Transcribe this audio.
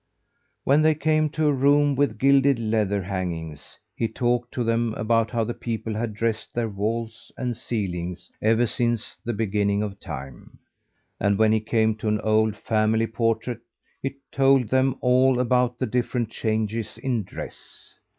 When they came to a room with gilded leather hangings, he talked to them about how the people had dressed their walls and ceilings ever since the beginning of time. And when he came to an old family portrait, he told them all about the different changes in dress.